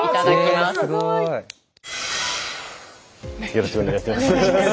よろしくお願いします。